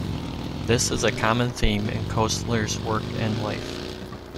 This is a common theme in Koestler's work and life.